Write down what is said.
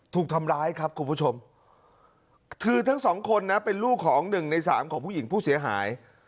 ถูกทำร้ายครับคุณผู้ชมคือทั้งสองคนนะเป็นลูกของหนึ่งในสามของผู้หญิงผู้เสียหาย